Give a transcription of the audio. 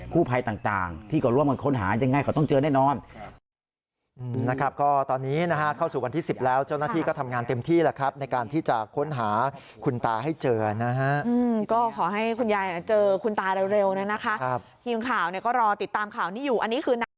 ภัยต่างที่เขาร่วมกันค้นหายังไงเขาต้องเจอแน่นอน